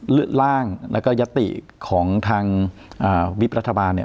ร่างแล้วก็ยติของทางวิบรัฐบาลเนี่ย